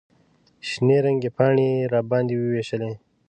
شنې رنګې پاڼې یې راباندې ووېشلې.